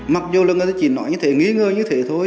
mặc dù lần này chỉ nói như thế nghĩ ngơ như thế thôi